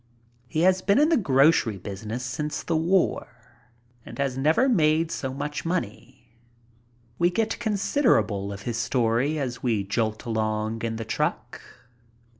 He has been in the grocery business since the war and has never made so much money. We get considerable of his story as we jolt along in the truck.